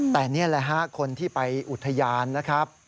แต่นี่แหละฮะคนที่ไปอุทยานนะครับ